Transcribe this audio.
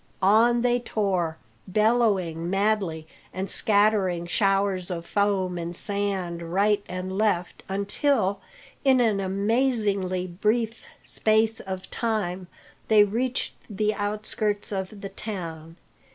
On they tore, bellowing madly, and scattering showers of foam and sand right and left, until, in an amazingly brief space of time, they reached the outskirts of the town.